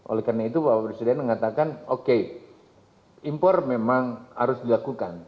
oleh karena itu bapak presiden mengatakan oke impor memang harus dilakukan